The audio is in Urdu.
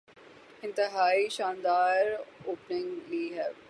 انتہائی شاندار اوپننگ لی ہے۔